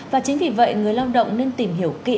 và chính vì vậy người lao động nên tìm hiểu kỹ